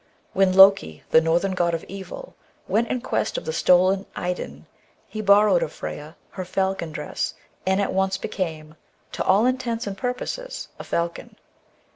When Loki, the Northern god of evil, went in quest of the stolen Idunn, he borrowed of Freyja her falcon dress, and at once became, to all intents and purposes, a falcon.